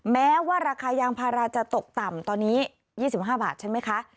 แม้ว่าราคายางพาราจะตกต่ำตอนนี้๒๕บาทใช่ไหมคะ